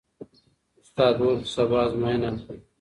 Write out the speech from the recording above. استاد وویل چې سبا ازموینه اخلي.